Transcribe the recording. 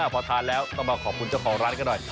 พอทานแล้วต้องมาขอบคุณเจ้าของร้านกันหน่อย